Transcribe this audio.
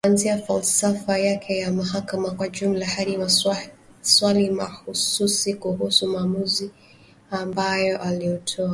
kuanzia falsafa yake ya mahakama kwa ujumla hadi maswali mahususi kuhusu maamuzi ambayo aliyatoa.